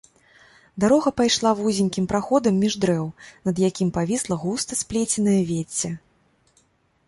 Дарога пайшла вузенькім праходам між дрэў, над якім павісла густа сплеценае вецце.